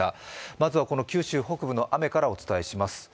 まずは九州北部の雨からお伝えします。